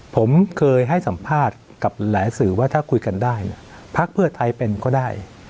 ผมเคยให้สัมภาษณ์กับหลายสื่อว่าถ้าคุยกันได้พักเพื่อไทยเป็นก็ได้